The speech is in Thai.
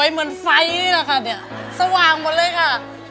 เหมือนไฟละคะสว่างหมดเลยค่ะ